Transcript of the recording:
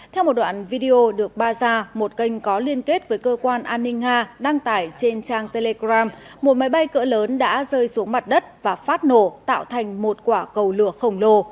theo một đoạn video được ba ra một kênh có liên kết với cơ quan an ninh nga đăng tải trên trang telegram một máy bay cỡ lớn đã rơi xuống mặt đất và phát nổ tạo thành một quả cầu lửa khổng lồ